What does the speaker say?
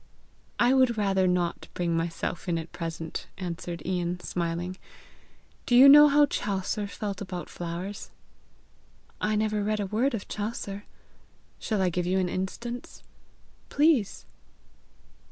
"I would rather not bring myself in at present," answered Ian smiling. "Do you know how Chaucer felt about flowers?" "I never read a word of Chaucer." "Shall I give you an instance?" "Please."